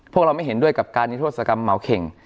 พวกเราไม่เห็นด้วยกับการนิทธศกรรมเหมาเข่ง